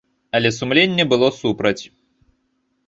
Але сумленне было супраць.